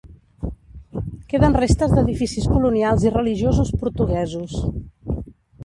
Queden restes d'edificis colonials i religiosos portuguesos.